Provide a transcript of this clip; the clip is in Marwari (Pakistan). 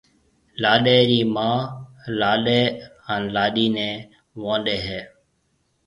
لاڏَي رِي مان لاڏَي ھان لاڏِي نيَ وئونڏَي ھيََََ